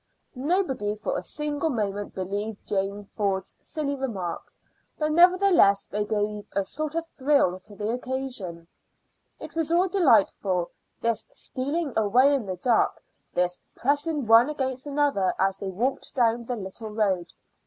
Nobody for a single moment believed Janey Ford's silly remarks, but nevertheless they gave a sort of thrill to the occasion. It was all delightful, this stealing away in the dark, this pressing one against another as they walked down the little road.